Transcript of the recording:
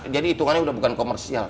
jadi itungannya sudah bukan komersial